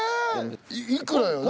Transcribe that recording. いくらよ？